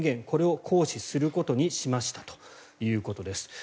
これを行使することにしましたということです。